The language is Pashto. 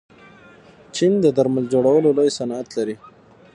چین د درمل جوړولو لوی صنعت لري.